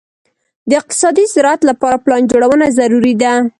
د اقتصادي زراعت لپاره پلان جوړونه ضروري ده.